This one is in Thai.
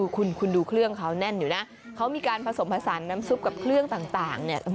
คุณดูเครื่องเขาแน่นอยู่นะเขามีการผสมผสานน้ำซุปกับเครื่องต่างเนี่ย